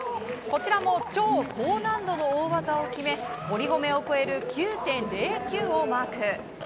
こちらも超高難度の大技を決め堀米を超える９．０９をマーク。